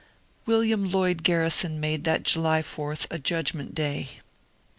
William Lloyd Garrison made that July 4 a Judgment Day.